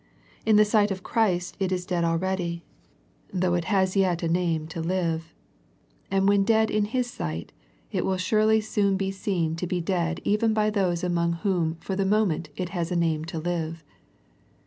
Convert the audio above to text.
In the sight of Christ it is dead already, though it 144 A First Century Message has yet a name to live ; and when dead in His sight it will surely soon be seen to be dead even by those among whom for the moment it has a name to live.